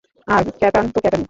আর ক্যাটান তো ক্যাটান-ই।